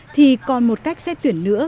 thì còn một cách xét tuyển nữa